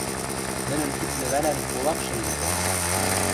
Нӹнӹн кид лӹвӓлӓн кулак шӹлӹн кодын.